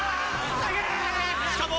しかも。